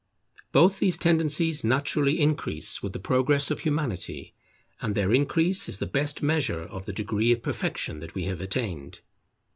Both these tendencies naturally increase with the progress of Humanity, and their increase is the best measure of the degree of perfection that we have attained.